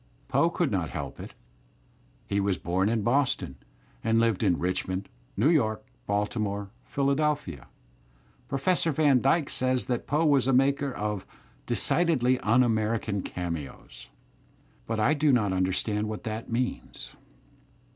Poe could not help it. He was bom in Boston, and lived in Richmond, New York, Baltimore, Philadelphia. Professor Van Dyke says that Poe was a maker of "decidedly un American cameos," but I do not imderstand what that means.